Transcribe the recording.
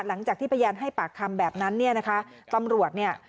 หลังจากที่พยานให้ปากคำแบบนั้นเนี่ยนะคะตำรวจเนี่ย